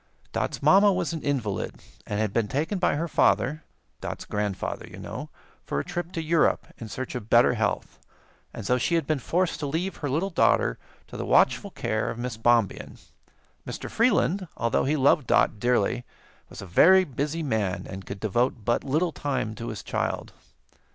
Dot's mamma was an invalid, and had been taken by her father Dot's grandfather, you know for a trip to Europe, in search of better health, and so she had been forced to leave her little daughter to the watchful care of Miss Bombien. Mr. Freeland, although he loved Dot dearly, was a very busy man and could devote but little time to his child.